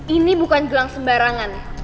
ini bukan gelang sembarangan